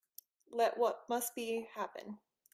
Let what must be, happen.